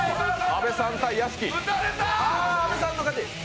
阿部さんの勝ち。